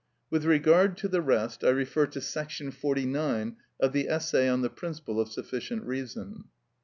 With regard to the rest, I refer to § 49 of the essay on the principle of sufficient reason.